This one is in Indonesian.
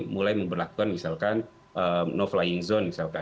mulai membuat misalkan no flying zone